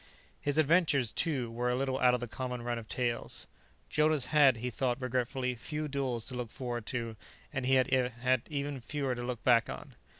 His adventures, too, were a little out of the common run of tales. Jonas had, he thought regretfully, few duels to look forward to, and he had even fewer to look back on.